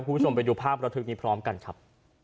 คุณผู้ชมไปดูภาพระทึกนี้พร้อมกันครับ